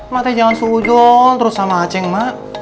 mak teh jangan sujon terus sama aceh ma